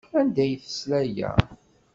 Anda ay tesla aya?